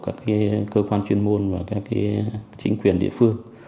các cơ quan chuyên môn và các chính quyền địa phương